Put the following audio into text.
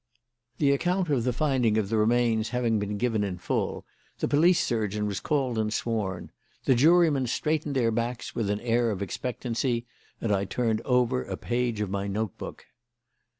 The account of the finding of the remains having been given in full, the police surgeon was called and sworn; the jurymen straightened their backs with an air of expectancy, and I turned over a page of my note book.